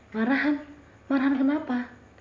marahan marahan kenapa